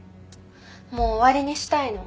もう終わりにしたいの。